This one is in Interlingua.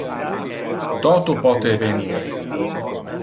Toto pote evenir.